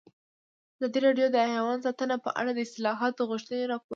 ازادي راډیو د حیوان ساتنه په اړه د اصلاحاتو غوښتنې راپور کړې.